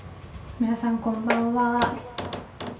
皆さんこんばんは。